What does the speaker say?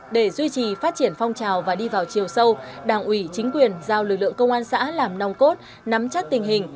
để duy trì phát triển phong trào và đi vào chiều sâu đảng ủy chính quyền giao lực lượng công an xã làm nòng cốt nắm chắc tình hình